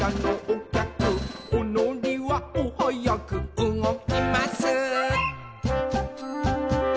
「おのりはおはやくうごきます」